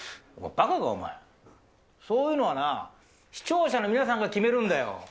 お前ばかか、お前、そういうのはな、視聴者の皆さんが決めるんだよ。